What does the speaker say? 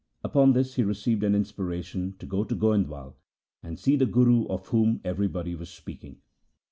Upon this he received an inspiration to go to Goindwal and see the Guru of whom everybody was speaking.